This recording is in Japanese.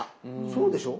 そうでしょ？